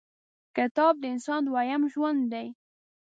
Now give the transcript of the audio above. • کتاب، د انسان دویم ژوند دی.